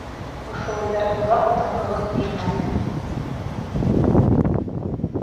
Ошо уйҙар оҙаҡ тынғылыҡ бирмәне.